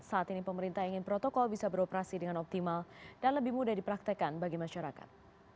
saat ini pemerintah ingin protokol bisa beroperasi dengan optimal dan lebih mudah dipraktekan bagi masyarakat